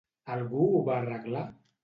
Algú ho va arreglar?